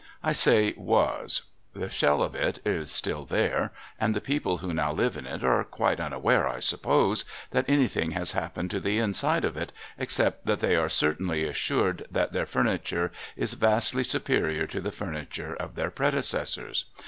I say "was"; the shell of it is still there, and the people who now live in it are quite unaware, I suppose, that anything has happened to the inside of it, except that they are certainly assured that their furniture is vastly superior to the furniture of their predecessors.